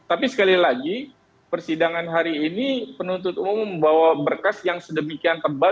tapi sekali lagi persidangan hari ini penuntut umum membawa berkas yang sedemikian tebal